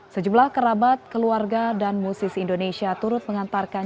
sejumlah kerabat keluarga dan musisi indonesia turut mengantarkan